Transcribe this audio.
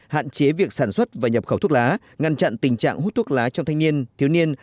hạn chế việc sản xuất và nhập khẩu thuốc lá ngăn chặn tình trạng hút thuốc lá trong thanh niên thiếu niên